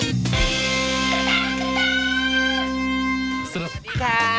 สวัสดีค่ะ